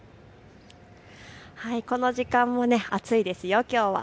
この時間も暑いですよ、きょうは。